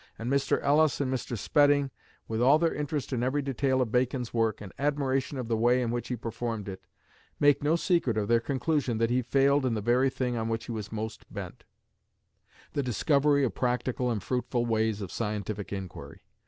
And Mr. Ellis and Mr. Spedding, with all their interest in every detail of Bacon's work, and admiration of the way in which he performed it, make no secret of their conclusion that he failed in the very thing on which he was most bent the discovery of practical and fruitful ways of scientific inquiry.